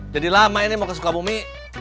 jadi lama ini mau kesuka bumi